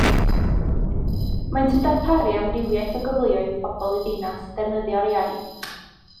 Maent yn darparu amrywiaeth o gyfleoedd i bobl y ddinas ddefnyddio'r iaith